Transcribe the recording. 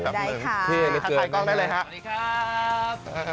ทักทายกล้องได้เลยครับ